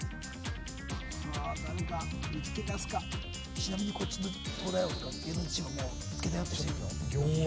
ちなみにこっちの東大王とか芸能人チームは見つけたよって人いる？